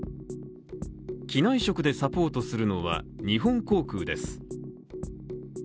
機内食でサポートするのは、日本航空です。